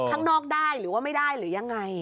ข้างนอกได้หรือว่าไม่ได้หรือยังไง